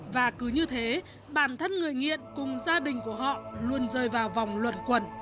và cứ như thế bản thân người nghiện cùng gia đình của họ luôn rơi vào vòng luận quẩn